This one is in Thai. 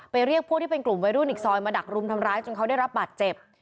เรียกพวกที่เป็นกลุ่มวัยรุ่นอีกซอยมาดักรุมทำร้ายจนเขาได้รับบาดเจ็บ